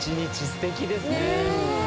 すてきですね。